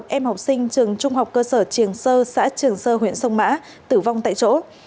em học sinh trường trung học cơ sở triềng sơ xã triềng sơ huyện sông mã tử vong tại chỗ